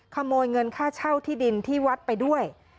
ขโมยเงินค่าเช่าที่ดินที่วัดไปด้วย